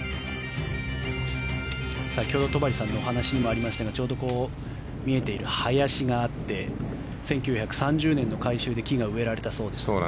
先ほど、戸張さんのお話にもありましたがちょうど見えている林があって１９３０年の改修で木が植えられたそうです。